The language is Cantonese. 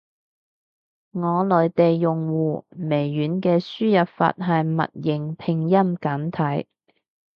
我內地用戶，微軟嘅輸入法係默認拼音簡體。